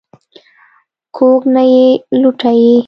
کوږ نه یې لوټه یې.